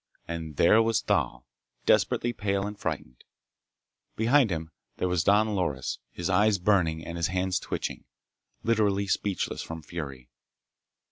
And there was Thal, desperately pale and frightened. Behind him there was Don Loris, his eyes burning and his hands twitching, literally speechless from fury.